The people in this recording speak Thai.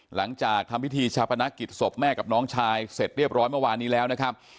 หลังจากทำพิธีชาปนกิจศพแม่กับน้องชายเสร็จเรียบร้อยเมื่อวานนี้แล้วนะครับ